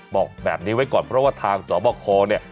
บอกแบบนี้ไว้ก่อนเพราะว่าทางสวบคเนี่ย